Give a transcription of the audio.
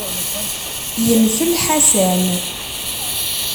Yenfel Ḥasan.